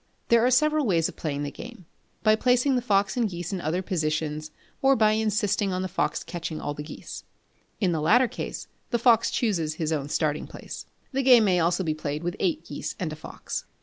There are several ways of playing the game, by placing the fox and geese in other positions, or by insisting on the fox catching all the geese. In the latter case, the fox chooses his own starting place. The game may also be played with eight geese and a fox.